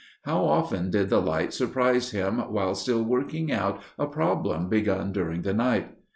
How often did the light surprise him while still working out a problem begun during the night!